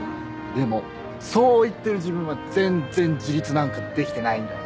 でもそう言ってる自分は全然自立なんかできてないんだよ。